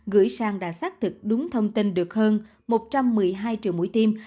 gửi sang đã xác thực đúng thông tin được hơn một trăm một mươi hai triệu mũi tim